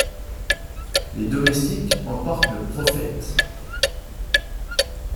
Les domestiques emportent Le Prophète.